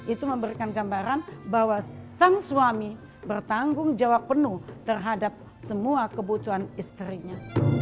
itu memberikan gambaran bahwa sang suami bertanggung jawab penuh terhadap semua kebutuhan istrinya